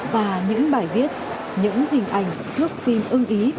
và những bài viết những hình ảnh thước phim ưng ý